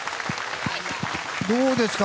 どうですか？